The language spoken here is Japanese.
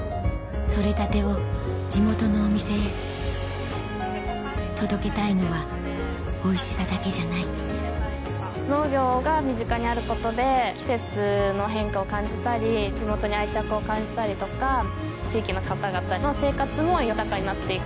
採れたてを地元のお店へ届けたいのはおいしさだけじゃない農業が身近にあることで季節の変化を感じたり地元に愛着を感じたりとか地域の方々の生活も豊かになって行く。